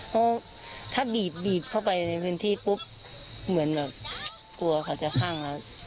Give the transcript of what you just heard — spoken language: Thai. เพราะถ้าบีบเข้าไปในพื้นที่ปุ๊บเหมือนแบบกลัวเขาจะคลั่งแล้ว